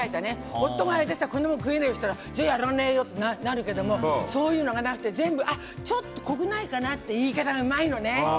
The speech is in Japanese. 夫が、こんなもん食えねえよって言ったらじゃあ、やらねえよってなるけどそういうのがなくて全部ちょっと濃くないかなって言い方がうまいのね。